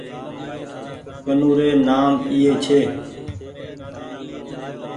ونوري نآم ايئي ڇي